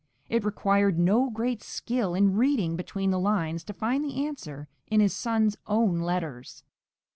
It required no great skill in reading between the lines to find the answer in his son's own letters.